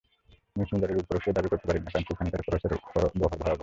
Miss মূলারের ওপরও সে-দাবী করতে পারি না, কারণ সেখানকার খরচের বহর ভয়াবহ।